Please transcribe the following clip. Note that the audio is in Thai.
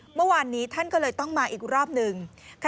เมื่อวานนี้ท่านก็เลยต้องมาอีกรอบหนึ่ง